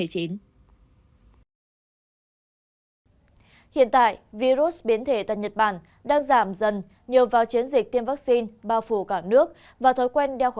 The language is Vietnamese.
hiện tại virus biến thể tại nhật bản đang giảm dài hơn một năm triệu